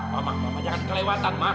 mama mama jangan kelewatan ma